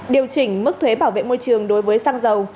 điều chỉnh mức thuế bảo vệ môi trường đối với xăng dầu